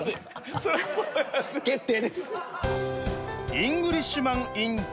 決定です。